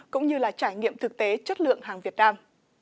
cũng như là trải nghiệm thực tế chất lượng hàng việt nam